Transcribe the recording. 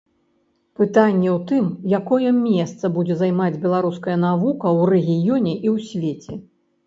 Пытанне ў тым, якое месца будзе займаць беларуская навука ў рэгіёне і ў свеце.